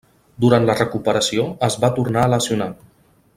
Durant la recuperació es va tornar a lesionar.